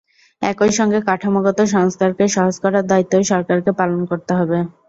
একই সঙ্গে কাঠামোগত সংস্কারকে সহজ করার দায়িত্বও সরকারকে পালন করতে হবে।